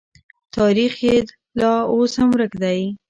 تاریخ یې لا اوس هم ورک دی.